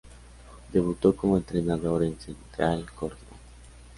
Debutó como entrenador en Central Córdoba.